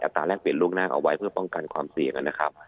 ตราแรกเปลี่ยนล่วงหน้าเอาไว้เพื่อป้องกันความเสี่ยงนะครับ